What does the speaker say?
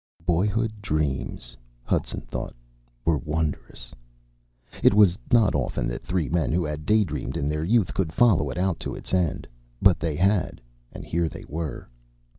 Boyhood dreams, Hudson thought, were wondrous. It was not often that three men who had daydreamed in their youth could follow it out to its end. But they had and here they were.